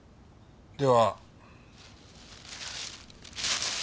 では。